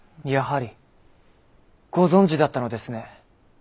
やはりご存じだったのですね